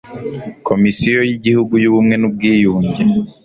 Komisiyo y Igihugu y Ubumwe n’ubwiyunge